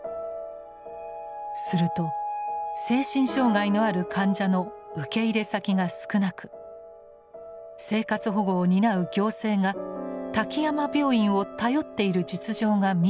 すると精神障害のある患者の受け入れ先が少なく生活保護を担う行政が滝山病院を頼っている実情が見えてきました。